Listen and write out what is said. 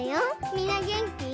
みんなげんき？